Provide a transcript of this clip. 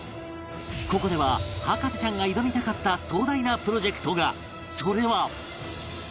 ここでは博士ちゃんが挑みたかった壮大なプロジェクトが！